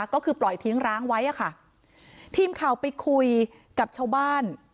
ก็คือปล่อยทิ้งร้างไว้อะค่ะทีมข่าวไปคุยกับชาวบ้าน